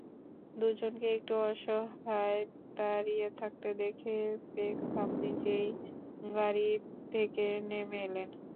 দুজনকে একটু অসহায় দাঁড়িয়ে থাকতে দেখে বেকহাম নিজেই গাড়ি থেকে নেমে এলেন।